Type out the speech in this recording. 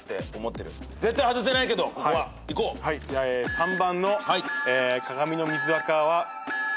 ３番の鏡の水あかは。